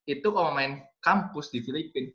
itu kalau mau main kampus di filipina